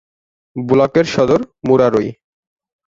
ব্লকের সদর মুরারই।